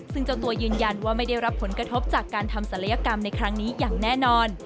ซึ่งเจ้าตัวยืนยันว่าไม่ได้รับผลกระทบจากการทำศัลยกรรมในครั้งนี้อย่างแน่นอน